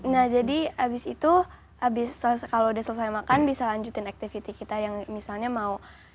nah jadi abis itu kalau udah selesai makan bisa lanjutin activity kita yang misalnya mau